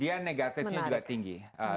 dia negatifnya juga tinggi